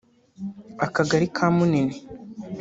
akagari ka Munini